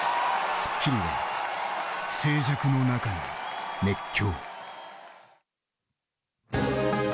『スッキリ』は静寂の中の熱狂。